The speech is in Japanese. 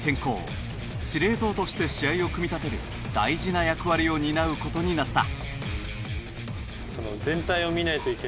司令塔として試合を組み立てる大事な役割を担う事になった。